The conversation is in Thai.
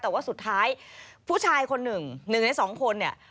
แต่ว่าสุดท้ายผู้ชายคนหนึ่งหนึ่งในสองคนเนี่ย